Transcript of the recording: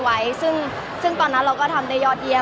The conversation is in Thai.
มันเป็นเรื่องน่ารักที่เวลาเจอกันเราต้องแซวอะไรอย่างเงี้ย